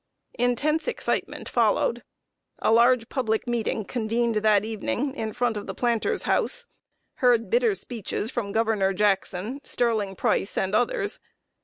Intense excitement followed. A large public meeting convened that evening in front of the Planter's House heard bitter speeches from Governor Jackson, Sterling Price, and others.